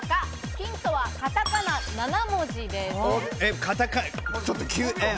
ヒントはカタカナ７文字です。